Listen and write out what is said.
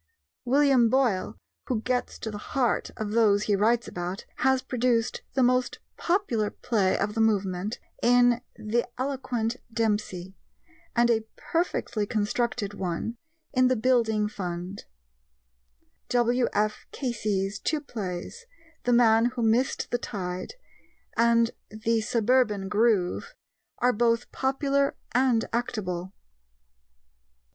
William Boyle, who gets to the heart of those he writes about, has produced the most popular play of the movement in The Eloquent Dempsey, and a perfectly constructed one in The Building Fund. W.F. Casey's two plays The Man Who Missed the Tide and The Suburban Groove are both popular and actable.